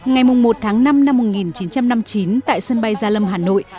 ngày một tháng năm năm một nghìn chín trăm năm mươi chín tại sân bay gia lâm hà nội